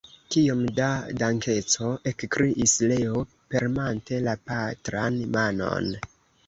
Kiom da dankeco! ekkriis Leo, premante la patran manon.